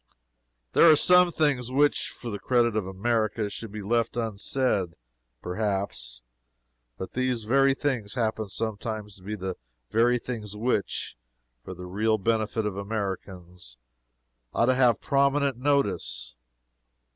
There are some things which, for the credit of America, should be left unsaid, perhaps; but these very things happen sometimes to be the very things which, for the real benefit of Americans, ought to have prominent notice.